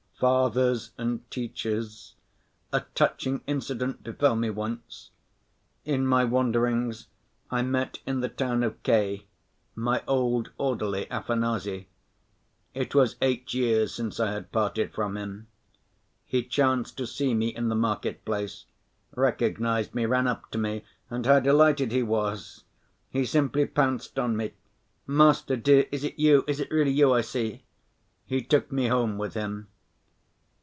Fathers and teachers, a touching incident befell me once. In my wanderings I met in the town of K. my old orderly, Afanasy. It was eight years since I had parted from him. He chanced to see me in the market‐place, recognized me, ran up to me, and how delighted he was! He simply pounced on me: "Master dear, is it you? Is it really you I see?" He took me home with him.